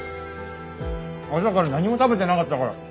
朝から何も食べてなかったから。